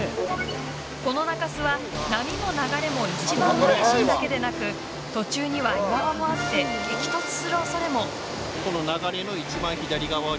この中州は、波も流れも一番激しいだけでなく途中には、岩場もあって激突する恐れも。